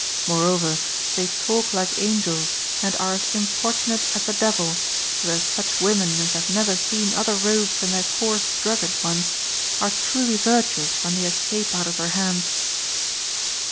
Moreover, they talk like angels and are as importunate as the devil, so that such women as have never seen other robes than their coarse drugget ones,(9) are truly virtuous when they escape out of their hands."